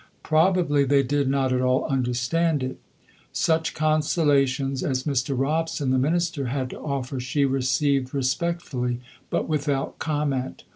Probably they did not at all understand it. Such consolations as Mr. Robson the minister had to offer she received respectfully, but without comment.